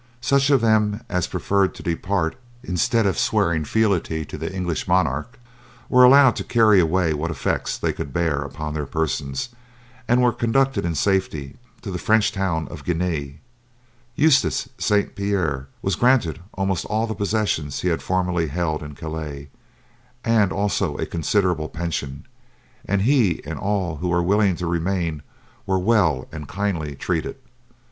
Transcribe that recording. Such of them as preferred to depart instead of swearing fealty to the English monarch were allowed to carry away what effects they could bear upon their persons and were conducted in safety to the French town of Guisnes. Eustace de St. Pierre was granted almost all the possessions he had formerly held in Calais, and also a considerable pension; and he and all who were willing to remain were well and kindly treated.